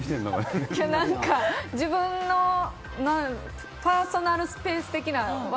自分のパーソナルスペース的な。